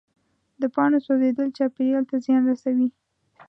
د پاڼو سوځېدل چاپېریال ته زیان رسوي.